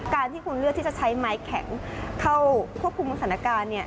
การที่คุณเลือกที่จะใช้ไม้แข็งเข้าควบคุมสถานการณ์